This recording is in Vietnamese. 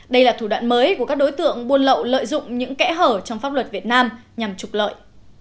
đây là thủ đoạn mới của các đối tượng buôn lậu lợi dụng những kẽ hở trong pháp luật việt nam nhằm trục lợi